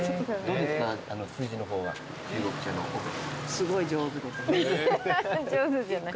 すごい上手です。